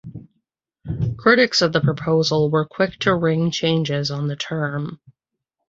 Critics of the proposal were quick to ring changes on the term.